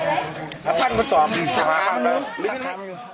ถ้าพันธ์ก็ต่ออีก